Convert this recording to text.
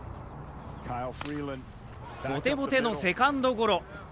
ボテボテのセカンドゴロ。